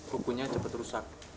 kukunya cepat rusak